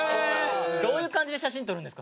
どういう感じで写真撮るんですか？